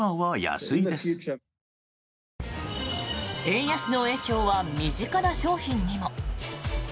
円安の影響は身近な商品にも。